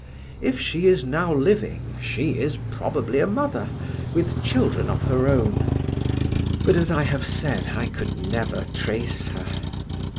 If she is now living she is probably a mother, with children of her own; but, as I have said, I could never trace her.